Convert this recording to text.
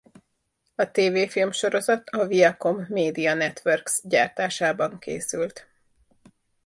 A tévéfilmsorozat a Viacom Media Networks gyártásában készült.